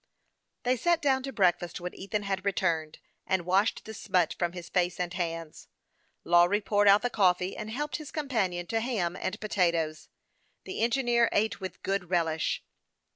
They sat down to breakfast when Ethan had re turned, and washed the smut from his face and hands. Lawry poured out the coffee, and helped his com panion to ham and potatoes. The engineer ate with good relish.